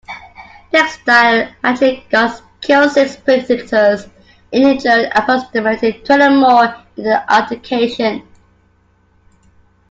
Textile factory guards killed six picketers and injured approximately twenty more in the altercation.